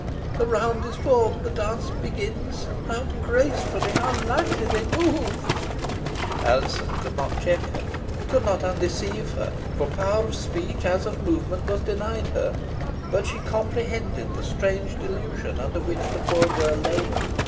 The round is formed. The dance begins. How gracefully how lightly they move ha! ha!" Alizon could not check her could not undeceive her for power of speech as of movement was denied her, but she comprehended the strange delusion under which the poor girl laboured.